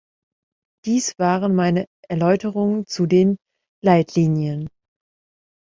Dies waren meine Erläuterungen zu den Leitlinien.